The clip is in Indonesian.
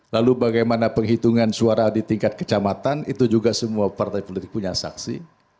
lalu bagaimana penghitungan suara di tingkat kecamatan itu juga semua partai politik punya saksi